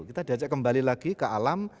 kita diajak kembali lagi ke alam